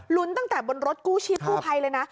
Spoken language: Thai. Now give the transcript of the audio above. ลุ้นตั้งแต่บนรถกู้ชิ้นกู้ไพเลยนะ